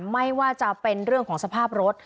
ไม่ว่าจะเป็นเรื่องของสภาพรถ